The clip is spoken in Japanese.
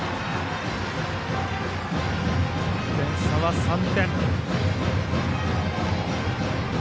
点差は３点。